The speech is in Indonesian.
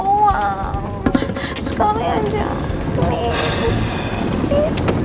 aku masih harus sembunyikan masalah lo andin dari mama